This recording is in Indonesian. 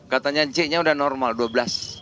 katanya c nya udah normal dua belas